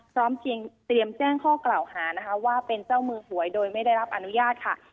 พร้อมเพียงเตรียมแจ้งข้อกล่าวหานะคะว่าเป็นเจ้ามือหวยโดยไม่ได้รับอนุญาตค่ะ